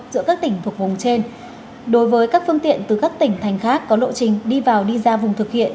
giữa các tỉnh thuộc vùng trên đối với các phương tiện từ các tỉnh thành khác có lộ trình đi vào đi ra vùng thực hiện